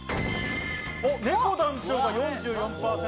ねこ団長が４４％。